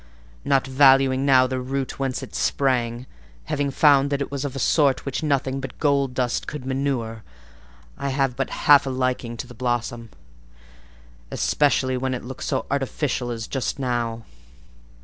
Not valuing now the root whence it sprang; having found that it was of a sort which nothing but gold dust could manure, I have but half a liking to the blossom, especially when it looks so artificial as just now.